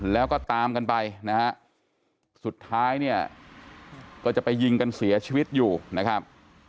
แล้วก็ตามกันไปนะฮะสุดท้ายเนี่ยก็จะไปยิงกันเสียชีวิตอยู่นะครับ